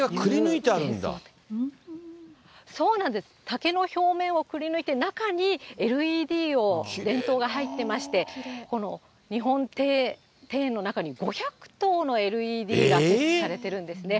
竹の表面をくりぬいて、中にＬＥＤを、電灯が入ってまして、この日本庭園の中に５００とうのＬＥＤが設置されているんですね。